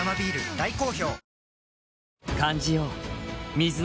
大好評